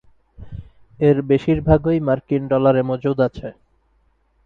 এর বেশির ভাগই মার্কিন ডলারে মজুদ আছে।